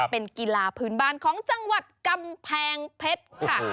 เป็นกีฬาพื้นบ้านของจังหวัดกำแพงเพชรค่ะ